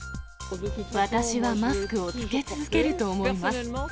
私はマスクを着け続けると思います。